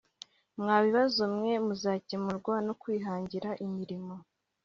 mwa bibazo mwe muzakemurwa no kwihangira imirimo.